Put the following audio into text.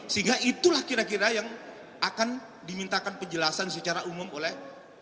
sehingga itulah kira kira yang akan dimintakan penjelasan secara umum oleh